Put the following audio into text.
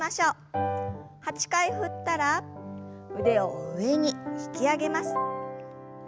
８回振ったら腕を上に引き上げます。